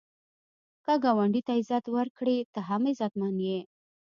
که ګاونډي ته عزت ورکړې، ته هم عزتمن یې